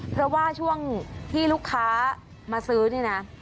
เพราะว่าช่วงที่ลูกค้ามาซื้อนี่นะ